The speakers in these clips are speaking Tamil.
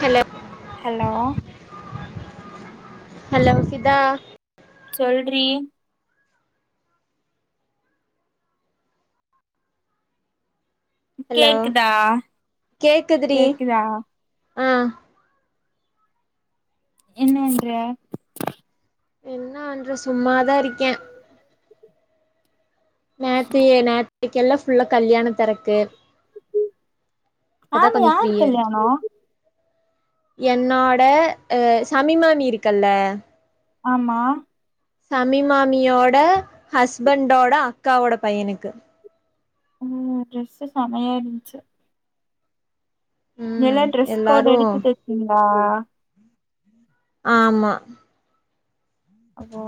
ஹலோ ஹலோ ஹலோ சித்தா சொல்ரீ ஹலோ கேக்குதா கேக்குதா ஆஹ் என்னன்ற என்னன்ற சும்மாதான் இருக்கேன் நாத்தி நா இதுகெல்லாம் ஃபுல்லா கல்யாண தறக்கு ஆமா ஃப்ரீயா இருக்கே யாருக்கல்யாணம் என்னோட அஹ் சமீமாமி இருக்குல்ல ஆமா சமி மாமியோட ஹஸ்பண்டோட அக்காவோட பையனுக்கு உம் டிரஸ் செமமையா இருந்துச்சு எல்லா ம் டிரரெஸ் கோட் எல்லாரு எடுத்து தைச்சீங்களா ஆ ஆமா ஓ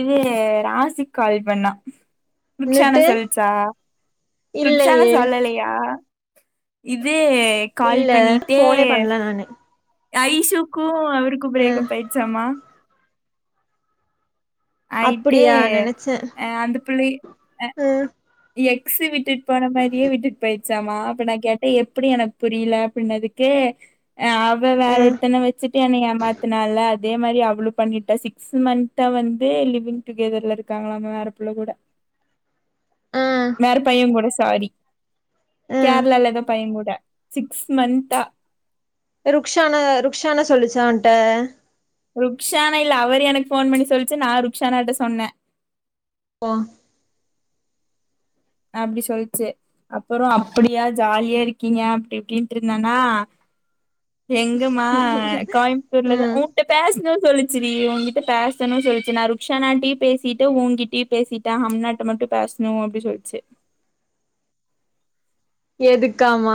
இது ராசி கால் பண்ணா ருக்ச்க்ஷான ன்னுட்டு சொல்லிச்சா ருக்ச்க்ஷான இல்லயே சொல்லலையா இது கால் இல்ல போன்னே பண்ணல நானு ஐஸ்ஷுக்கு க்கு அவருக்கு ம் பிரேக்கப்பாயிடுச்சாமா ஆயிட்டே அப்டியா அஹ அந்த பிலி உஹம் எக்ஸ விட்டு போன மாரியே விட்டுக்கு போயிட்டு மா அப்ப நான் கேட்டேன் எப்படி எனக்கு புரியல அப்படிடனதுக்குஹ் அவ வேற ம் ஒருத்தனை வச்சுட்டு என் ஏமாத்தினால அதே மாரி அவ்ளவு பண்ணிட்ட சிக்ஸ் மந்த்தா வந்து லிவிங் டுகெதர்ல இருக்காங்களாம வேற புள்ள கூட ம் வேற பையன் கூட சே சாரி ம் கேரளல்ல ஏதோ பையங்கூட சிக்ஸ் மத்தா ரூக்ஷானா ரூக்ஷான சொல்லிச்ச உட்ட ருக்ஷானா இல்ல அவரு எனக்கு போன் பண்ணி சொல்லிச்சு நான் ருக்ஷானாட்ட சொன்னே ஓம் அப்படி சொல்லிச்சு அப்புறம் அப்படியா ஜாலியா இருக்கீங்க அப்படி இப்படின்னுட்டு இருந்தேன்னா எங்கம்மா கோயம்பத்தூர்லதான் ம் உட்கிட்ட பேசணும் சொல்லிச்சுரி உன்கிட்ட பேசணும்னு சொல்லிச்சு நான் ருக்ஷா நாட்டையும் பேசிட்டு உன்கிட்டயும் பேசிட்டேன் ம நாட்ட மட்டும் பேசணும் அப்படினு சொல்லிச்சு எதுக்காம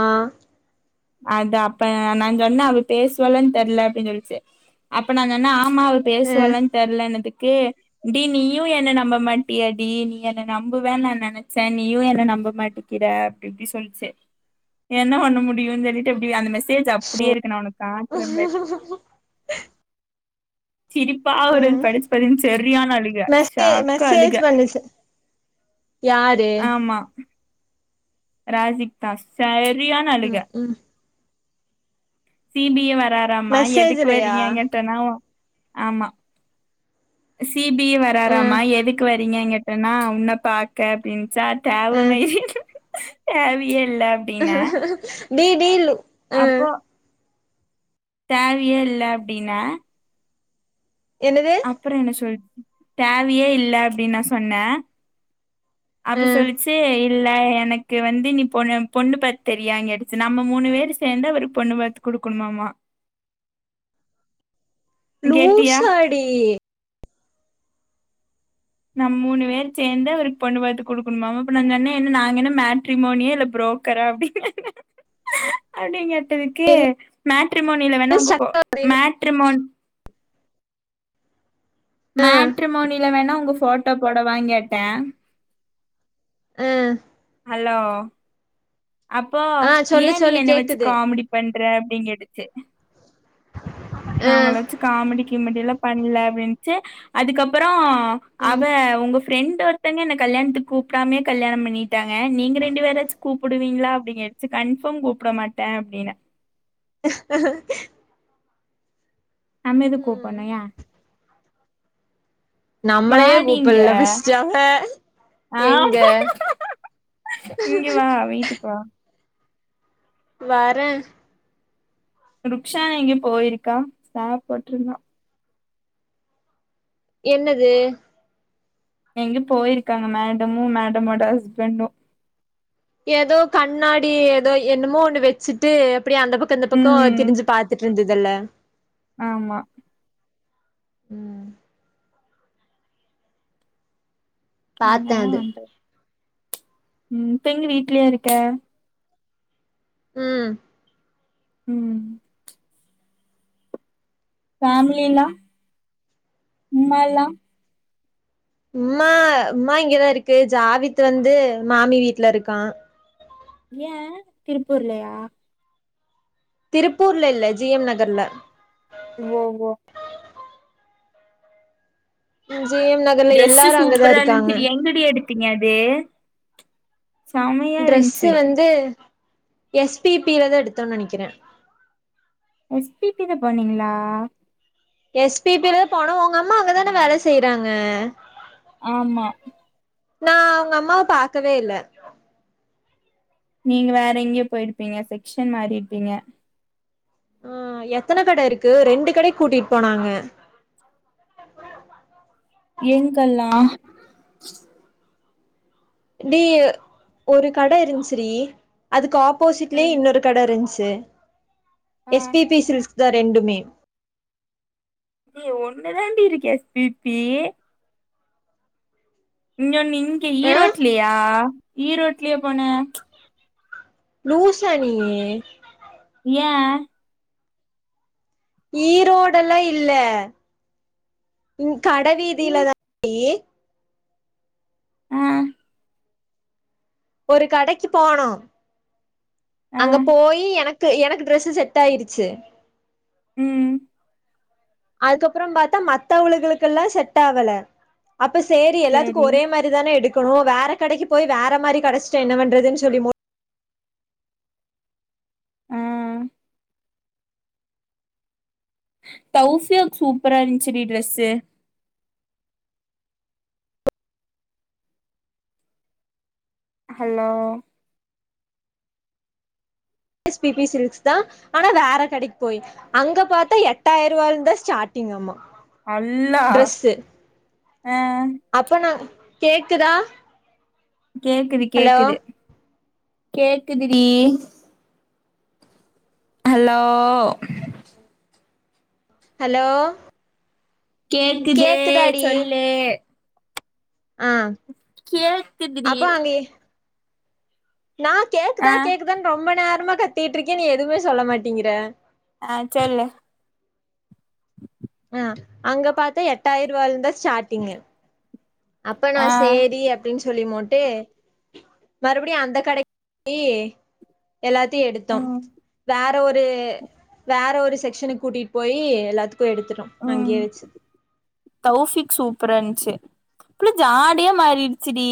அது அப்ப நான் சொன்னேன் அவ பேசுவலனு தெரியல அப்படின்னு சொல்லிச்சு அப்ப நான் சொன்ன ஆமா அவ ம் பேசுவாலனு தெரியல எனதுக்கு டி நீயும் என்ன நம்ப மாட்டிய டி நீ என்ன நம்புவன்னு நான் நினைச்சேன் நீயும் என்ன நம்ப மாட்டிக்கிற அப்படி இப்படி சொல்லிச்சு என்ன பண்ண முடியும் டா எப்படி அந்த மஸ் சேஜ் அப்படியே இருக்க நான் உனக்கு காட்றே பார் சிரிப்பா ஒரு ம் படிச்சு பத்தன்னனு சரியான அழுக மெசே சாக்க மெசேஜ் அழுக தே ராஜிகதா சாய பிரியான் அழிக ம் ம் சிபிஎ வே வரராமா எதுக்கு மெசேஜ்லயா வரீங்க கிட்டன்னா ஆமா சிபி ம் வராராாமா எதுக்கு கிட்டனா உன்னனை பாக்க அப்படின்னு ம் சட்டெவமே ஆவிக இல்ல அப்டினா டி டிலு அப்போ தேவயே இல்ல அப்டின என்னது அப்புறம் என்ன சொல் தேவையே இல்ல அப்படின்னு நான் சொன்னே அப்ப ம் சொல்லிச்சு இல்ல எனக்கு வந்து நீ பொண்ணு பொண்ணு பாத்து தெரியாங்கடுச்ச நம்ம மூணு பேரும் சேர்ந்து அவருக்கு பொண்ணு பாத்துு குடுக்கணுமாமா கேட்டியா லுசாடி நம் மூணு பேர் சேந்த ஒரு பொண்ணு பாத்து குடுக்கணுமாம் அப்ப நாங்க என்ன மேட்ரீமோனிய இல்ல புரோக்கரா துக்கு மேட்ரிமோனில என்ன வேணா உங்க ஸ்டக் ஆகுது மேட்ரிமோன் ஆ மேட்ரிமோனில வேணா உங்க போட்டோ போட வாங்கட்டேன் ஹம் ஹலோ அப்போ ஆ சொல்லு ஏன் நீ சொல்லு என்ன வச்சி கேக்குது காமெடி பண் அற அப்படிங்க எடுத்து ஆ நாங்க வச்சு காமெடி கிமெடிய எலாம் பண்ணல அப்படின்ச்சு அதுக்கப்புறம் அவ ம் உங்க ஃப்ரெண்டு ஒருத்தவங்க என் கல்யணத்து கூப்பிடாமே கல்யாண பண்ணிட்டாங்க நீங்க ரெண்டு பேச்சும் கூ ப்பிடுவீங்களா அப்படிின்னுச்சு கன்ஃபர்ம் கூப்பிட மாட்டேன் அப்படின்னு ஹ நமது கூப்பண்ணயா நம்மளையே இங்க கூப்டிடல பஸாவ எங்க ஆமா இங்க வா வீட்டுக்கு வா வரேன் ருக்க்ஷான் எங்கேயோ போயிருக்கா சாப்பட்ருந்தான் என்னது எங்க போயிருக்காங்க மேடமும் மேடமோட ஹஸ்பண்டும் ஏதோ கண்ணாடி ஏதோ என்னமோ ஒண்ணு வச்சிட்டு அப்டியே அந்த பக்கம் இந்த பக்கம் ம் திரிஞ்சி பாத்துட்டு இருந்தது முதல்ல ஆமா உம் பாத்தே அங்கதான் அது வந்து உம் இப்ப எங்க வீட்லயா இருக்க உம் உம் ஃபமிலிலாம் உம்மால்லாம் உம்மா உம்மா இங்கதான் இருக்கு ஜாவித் வந்து மாமி வீட்ல இருக்கான் ஏன் திருப்பூர்லையா திருப்பூர்ல இல்ல ஜி எம் நகர்ல ஓ ஓ உம் ஜே எம் நகர்ல எல்லாரும் அங்கதான் இருக்காங்க த்தீங்கதே ட்ரெஸ்ஸு வந்து எஸ்பிபிலதான் எடுத்தோம்னு நினைக்கிறேன் எஸ்பிபிலா போனீங்ளா எஸ்பிபில தா போனோம் உங்கள் அம்மா அங்கதான வேல செய்யறாங்க [inaudible] ஆமா நான் அவங்க அம்மாவ பாக்கவே இல்ல நீங்க வேற எங்கயோ போயிருப்பீங்க செக்ஷன் மாறிருப்பீங்க ஆஹ் எத்தன கட இருக்கு ரெண்டு கடை கூட்டிட்டு போனாங்க எங்கல்லாம் டி ஒரு கட இருந்துச்சு டி அதுக் ஆப் ஆப்போசிட்லியே ம் இன்னொரு கடயிருன்சு து ஆ எஸ் பிபி சில் த ரெண்டுமே ஏ ஒன்னு தாண்டி இருக்கே எஸபிபி இன்னோனு இங்க ஆ ஈரோட்லியா ஈரோட்லியா போன லூசானியு ஏ ஈரோட எலாம் இல்ல ம் கடவீதியிலத டி ஆஹ் ஒரு கடைக்கு போனோம் ஆ எனக்கு ட்ரெஸ் செட் ஆயிருச்சு உம் அதுக்கப்பறம் பாத்தா மத்த அவகளுக்கெலாம் செட் ஆகல அப்ப சரி எல்லாத்துக்கும் சேரி ஒரே மாரி தானே எடு க்கணும் வேற கடைக்கு போய் வேற மாரி கெடச்சிட்ட என்ன பண்றதுன்னு சொல்லி ஆ தௌபியா சூப்பரா இருந்துச்சுடி ட்ரெஸ்ஸு ஹலோ எஸ்பிபி சில்க்ஸ் தான் ஆனா வேற கடைக்கு போய் அங்க பாத்தா எட்டாயிரம் ரூவாய இருந்தா ஸ்டார்ட்டிங் அம்மா அல்லா ஆஹ் அப்ப நா கேக்குதா கேக்குது ஹலோ கேக்குது கேக்குது டி ஹலோ ஹலோ கேக்குதே கேக்குதாடி சொல்லு ஆ கேக்குதுடி அப்ப அங்க நா கேக்குதா ஆ கேக்குதானு ரொம்ப நேர மா கத்திட்டு இருக்கே நீ எதுமே சொல்ல மாட்டிங்கிற ஆ சொல்லு [inaudible] ஆ அங்க பாத்தா எட்டாயிர ரூயால இருந்தா ஸ்டார்ட்டிங்க அப்ப நா ஆ சேரி அப்டினு சொல்லி முட் மறுபடியு அந்த கடக்கி எல்லாத்தையு எடுத்தோ ம் வேற ஒரு வேற ஒரு செக்சனுக் கூட்டிட்டு போய் எல்லாத்துக்கு [unintelligible] எடுத்துட்டோ அங்கயே வெச்சி தௌபிக் சூப்பரா இருன்ச்சு அப்புள்ள ஜாடயே மாறிட்ச்சிடி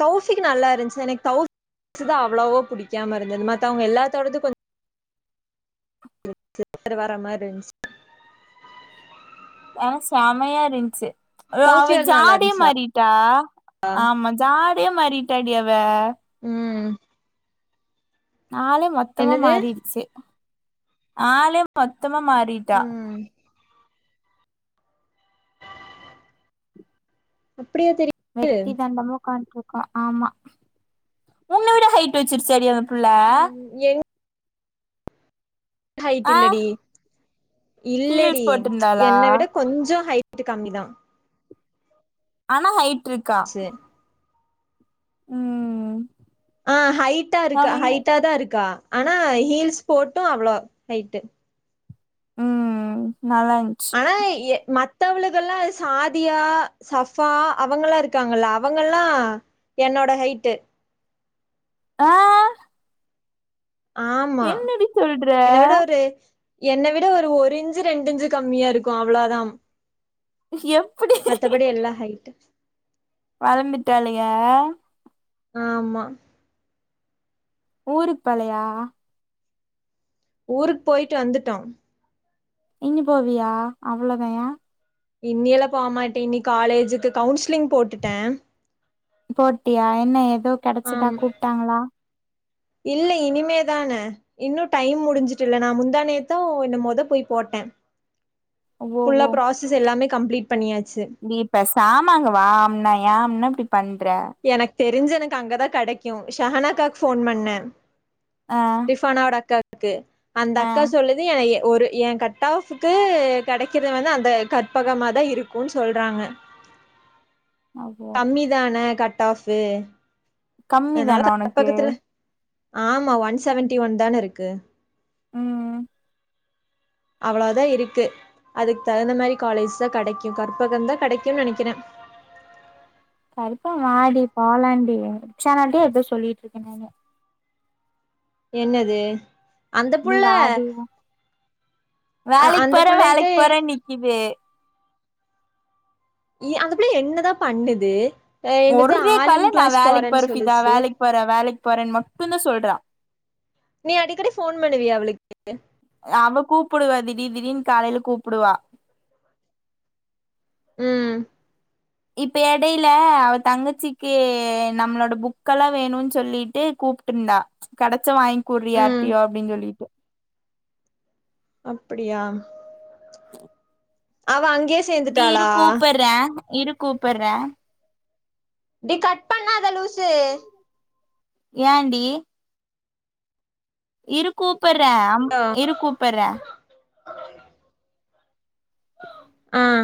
தௌபிக்கு நல்லா இருன்ச்சு எனக்கு தெளபிது தா அவ்ளவோ புடிக்காம இருந்தது மத்த அவங்க எல்லாத்தோடது கொஞ்ஜோ வர மாரி இருன்ச்சு ஆ செமயா இருன்ச்சு அவ தௌஃபியோடது நல்லா ஜாடயே இருந்துச்சா மாறிட்டா ஆமா ஜாட அதே மாறிட்டாடி அவ ம் ஆளே மொத்தமா என்னது மாறிடுச்சு ஆளே மொத் மொத்தமா மாறிட்டா ம் அப்படியா தெரியு வெட்டி தண்டமா ஒக்கான்ட்ருக்கா ஆமா முன்ன விட ஹைட் வெச்சிர்ச்சாடி புள்ள ம் என் ஹைட் ஆ இல்லடி இல்லடி ஹீல்ஸ் போட்ருந்தாளா என்ன விட கொஞ்ஜோ ஹை வட்டு காம்மி தா ஆனா ஹை இருக்கா உம் ஆ ஹைட்டா இருக்கா ஹைட்டா தா இருக்கா ஆனா ஹீல்ஸ் போட்டு அவ்ளோ ஹைட்டு உம் ஆன மத்த மத்தவகலெல்லா சாதியா சஃபா அவங்கல்லா இருக்காங்கல்ல அவங்கல்லா என்னோட ஹைட்டு ஆஹ் ஆமா என்னடி சொல்ற என்னை விட ஒரு ஒரு இஞ்சு ரெண்டு இ்ஞ்சு கம்மியா இருக்கும் அவ்ளோதான் எப்டி மத்தபடி எல்லா ஹைட் வளந்துட்டாள்க ஆமா ஊரு பழையா ஊருக்கு போயிட்டு வந்துட்டோம் இனி போவியா அவ்வளோ தயா இன்னியெல்லாம் போமாட்டேன் இனி காலேஜுக்கு கவுன்சிலிங் போட்டுட்டேன் போட்டியா என்ன ஏதோ கிடைச்சதா ஆமா கூப்பிட்டாங்களா இல்ல இனிமேதானே இன்னும் டைம் முடிஞ்சுட்டு இல்ல நான் முந்தானேத்தும் என்னும் மொத போய் போட்டேன் புல்லா ப்ராசஸ் எல்லாமே கம்ப்லீட் இப்ப சாமாங்க வாம்னா ஏம்னா இப்டி பண்ற தெரிஞ்ச எனக்கு அங்கதான் கிடைக்கும் ஷஹானாக்கு போன் பண்ணேன் ஆ ரிப்பானோட அக்காக்கு க்கே அந்த ஆ அக்கா சொல்லுது என ஒரு என் கட் ஆப்புக்கு கிடைக்கிற வந்து அந்த கற்பகமாதான் இருக்கும்ன்னு சொல்றாங்க ஓ கம்மி தானே கட் ஆப்பு கம்மி தானா உனக்கு ஆமா ஒன் செவன்டி ஒன் தான இருக்கு உம் அவ்வளவுதான் இருக்கு அதுக்கு தகுந்த மாரி காலேஜ் தான் கிடைக்கும் கற்பகம் தான் கிடைக்கும்னு நினைக்கிறேன் கரிப்பா மாடி போலாண்டி ரிக்ஷானாிட்டே எப்ப சொல்லிட்டு இருக்கேன் நானு என்னது அந்த நீ புள்ள வாடி அ வேலைக்கு அந்த போற புள்ளைகிட்ட வேலைக்கு போற நிக்குது அந்த புள்ள என்னதான் பண்ணுது அ என்னது ஒரே ஆலிம் காலை நான் கிளாஸ் வேலைக்கு போறேன்னு பருப்பிதா சொல்லுச்சு வேலைக்கு போறேன் வேலைக்கு போரன் மட்டும்தான் சொல்றா நீ அடிக்கடி போன் பண்ணுவியா அவளுக்கு அவ கூப்பிடுவா திடீர் திடீனு காலையில கூப்பிடுவா உம் இப்ப இடையில அவ தங்கச்சிக்கு நம்மளோட புக்கெல்லாம் வேணும்னு சொல்லிட்டு கூப்பிட்டு இருந்தா கட பச்சம் வாங்கிகூறி ம் யார்டோ அப்படின்னு சொல்லிட்டு அப்படியா [inaudible] அவ அங் நீ இரு கூப்பிடுறே இரு கூப்படுற இப்படி கட் பண்ணாத லூசு ஏண்டி இருக்கோப் கூப்பிடறே அம் இரு கூப்படுற உம்